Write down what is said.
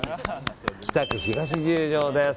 北区東十条です。